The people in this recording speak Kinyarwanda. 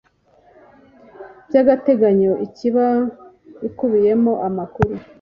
By agateganyo ikaba ikubiyemo amakuru